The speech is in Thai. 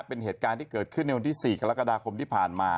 เป็นเหตุการณ์ที่เกิดขึ้นในวันที่๔กรกฎาคมที่ผ่านมา